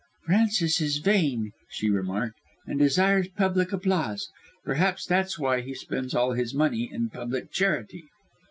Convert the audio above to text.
"Francis is vain," she remarked, "and desires public applause. Perhaps that is why he spends all his money in public charity."